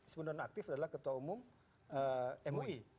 sebenarnya aktif adalah ketua umum mui